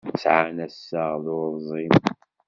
Sɛan assaɣ d urẓim.